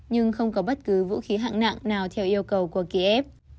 nhưng không có bất cứ vũ khí hạng nặng nào theo yêu cầu của kiev